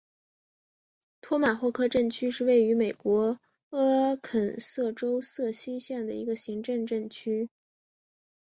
托马霍克镇区是位于美国阿肯色州瑟西县的一个行政镇区。